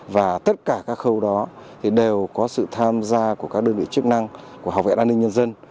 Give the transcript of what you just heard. và tất cả các khâu đó đều có sự tham gia của các đơn vị chức năng của học viện an ninh nhân dân